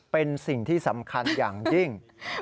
เป็นสิ่งที่สำคัญอย่างยิ่ง